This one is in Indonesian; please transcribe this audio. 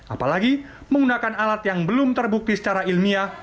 apalagi menggunakan alat yang belum terbukti secara ilmiah